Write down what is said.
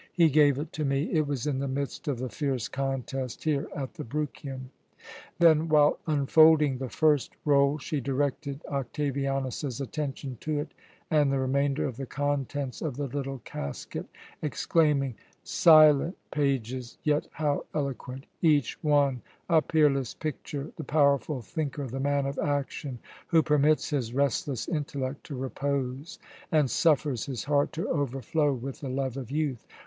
He gave it to me. It was in the midst of the fierce contest here at the Bruchium." Then, while unfolding the first roll, she directed Octavianus's attention to it and the remainder of the contents of the little casket, exclaiming: "Silent pages, yet how eloquent! Each one a peerless picture, the powerful thinker, the man of action, who permits his restless intellect to repose, and suffers his heart to overflow with the love of youth!